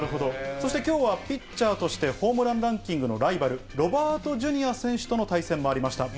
そしてきょうはピッチャーとして、ホームランランキングのライバル、ロバートジュニア選手との対戦もありました。